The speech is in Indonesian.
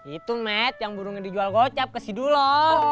itu met yang burung yang dijual gocap ke si dulo